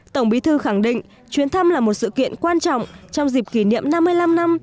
tổng bí thư khẳng định chuyến thăm là một sự kiện quan trọng trong dịp kỷ niệm năm mươi năm năm